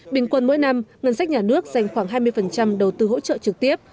bình quân mỗi năm ngân sách nhà nước dành khoảng hai mươi đầu tư hỗ trợ trực tiếp